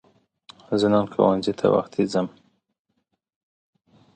زه نن ښوونځی ته وختی ځم